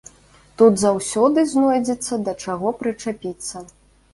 Тут заўсёды знойдзецца, да чаго прычапіцца.